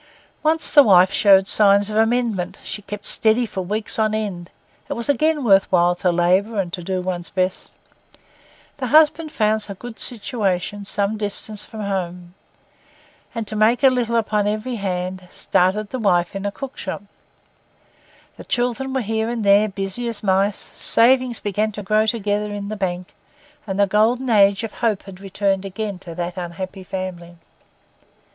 Once the wife showed signs of amendment; she kept steady for weeks on end; it was again worth while to labour and to do one's best. The husband found a good situation some distance from home, and, to make a little upon every hand, started the wife in a cook shop; the children were here and there, busy as mice; savings began to grow together in the bank, and the golden age of hope had returned again to that unhappy family.